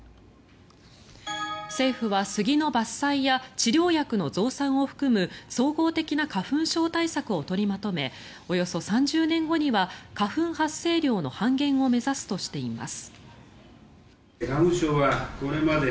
政府は杉の伐採や治療薬の増産を含む総合的な花粉症対策を取りまとめおよそ３０年後には花粉発生量の半減を目指すとしています。